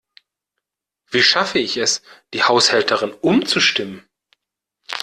Wie schaffe ich es, die Haushälterin umzustimmen?